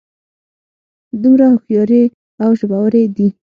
دومره هوښیارې او ژبورې دي.